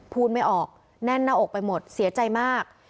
ไม่ออกแน่นหน้าอกไปหมดเสียใจมาก